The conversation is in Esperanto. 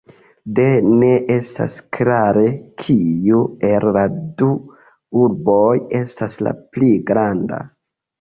Do ne estas klare, kiu el la du urboj estas la pli granda.